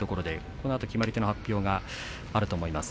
このあと決まり手の発表があると思います。